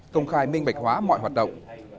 công khai minh bạch hóa mọi hoạt động